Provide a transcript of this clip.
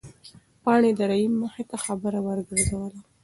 پاڼې د رحیم مخې ته خبره ورګرځوله.